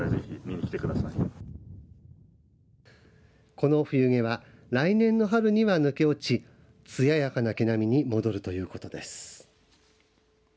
この冬毛は来年の春には抜け落ちつややかな毛並みに戻るということです。